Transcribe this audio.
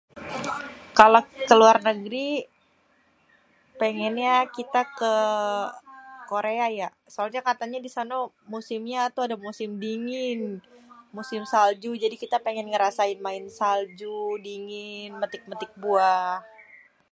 kalo keluar negri pengennya kita ke Korea ya soalnye katenye di sonoh musimnye toh ade musim dingin musim salju jadi kita pengen ngerasain main salju dingin metik-metik buah.